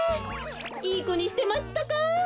いいこにしてまちたか？